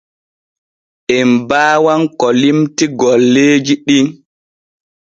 En baawan ko limti golleeji ɗin.